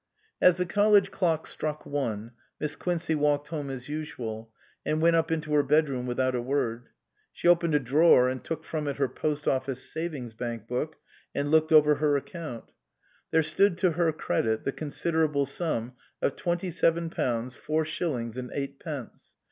As the College clock struck one, Miss Quincey walked home as usual and went up into her bedroom without a word. She opened a drawer and took from it her Post Office Savings Bank book and looked over her account. There stood to her credit the considerable sum of twenty seven pounds four shillings and eight pence.